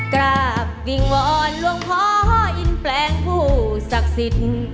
กราบวิงวอนหลวงพ่ออินแปลงผู้ศักดิ์สิทธิ์